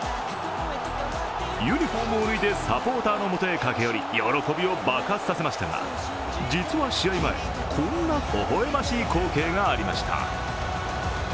ユニフォームを脱いで、サポーターのもとへ駆け寄り喜びを爆発させましたが、実は試合前、こんなほほ笑ましい光景がありました。